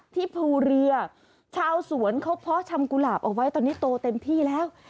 ภูเรือชาวสวนเขาเพาะชำกุหลาบเอาไว้ตอนนี้โตเต็มที่แล้ว